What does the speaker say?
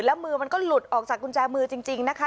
แล้วมือมันก็หลุดออกจากกุญแจมือจริงนะคะ